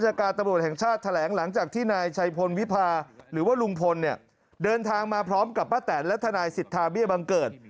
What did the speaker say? การตำรวจแห่งชาติแถลงหลังจากที่นายชัยพลวิพาหรือว่าลุงพลเนี่ยเดินทางมาพร้อมกับป้าแตนและทนายสิทธาเบี้ยบังเกิด